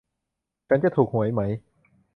ฉันจะถูกหวยไหม